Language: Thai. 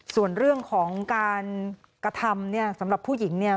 ส่วนเรื่องของการกระทำเนี่ยสำหรับผู้หญิงเนี่ย